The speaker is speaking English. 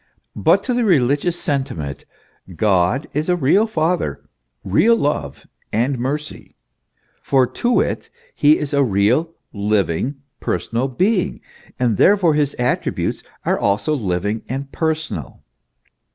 But to the religious sentiment God is a real Father, real Love and Mercy; for to it he is a real, living, personal being, and therefore his attributes are also THE ESSENCE OF RELIGION. 25 living and personal.